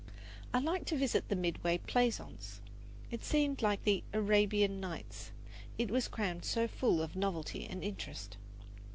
I liked to visit the Midway Plaisance. It seemed like the "Arabian Nights," it was crammed so full of novelty and interest.